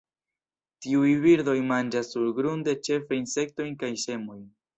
Tiuj birdoj manĝas surgrunde ĉefe insektojn kaj semojn.